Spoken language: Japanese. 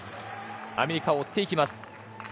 アメリカを追っていきます。